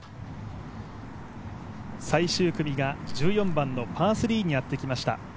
最終組が１４番のパー３にやってきました。